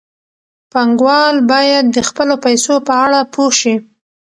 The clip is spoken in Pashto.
پانګوال باید د خپلو پیسو په اړه پوه شي.